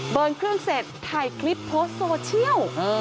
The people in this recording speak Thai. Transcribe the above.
เครื่องเสร็จถ่ายคลิปโพสต์โซเชียล